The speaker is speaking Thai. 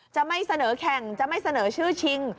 จะไม่เสนอแข่งจะไม่เสนอชื่อชิง